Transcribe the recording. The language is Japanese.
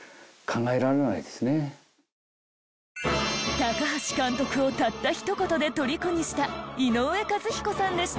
高橋監督をたったひと言でとりこにした井上和彦さんでした。